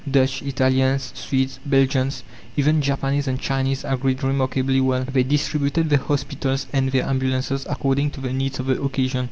Dutch, Italians, Swedes, Belgians, even Japanese and Chinese agreed remarkably well. They distributed their hospitals and their ambulances according to the needs of the occasion.